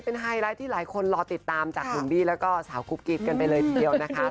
เป็นไฮไลท์ที่หลายคนรอติดตามจากหนุ่มบี้แล้วก็สาวกุ๊กกิ๊บกันไปเลยทีเดียวนะคะ